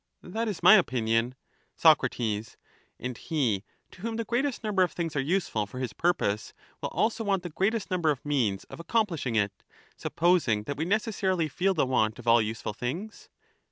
That is my opinion. Soc. And he to whom the greatest number of things are useful for his purpose, will also want the greatest number of means of accomplishing it, supposing that we necessarily feel the want of all useful things?